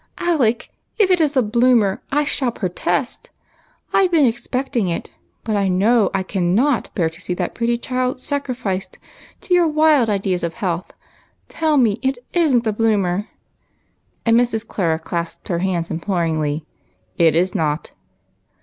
" Alec, if it is a Bloomer, I shall protest. I 've been expecting it, but I know I cannot bear to see that pretty child sacrificed to your wild ideas of health. Tell me it is Ji't a Bloomer !" and Mrs. Clara clasped her hands imploringly, " It is not."